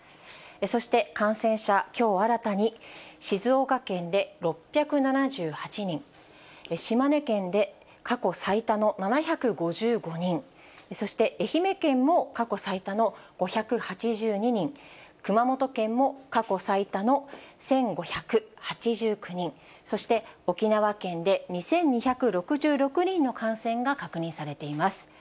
そして感染者、きょう新たに、静岡県で６７８人、島根県で過去最多の７５５人、そして愛媛県も過去最多の５８２人、熊本県も過去最多の１５８９人、そして沖縄県で２２６６人の感染が確認されています。